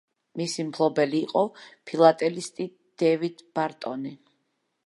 მისი მფლობელი იყო ფილატელისტი დავიდ ბარტონი.